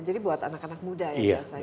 jadi buat anak anak muda ya biasanya